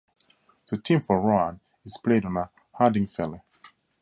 The theme for Rohan is played on a Hardingfele.